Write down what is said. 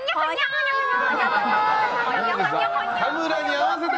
田村に合わせて。